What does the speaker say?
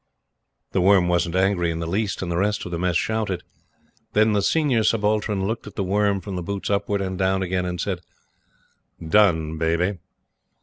The Worm wasn't angry in the least, and the rest of the Mess shouted. Then the Senior Subaltern looked at The Worm from the boots upwards, and down again, and said, "Done, Baby."